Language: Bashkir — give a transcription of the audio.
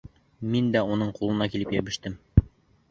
Мин дә уның ҡулына барып йәбештем.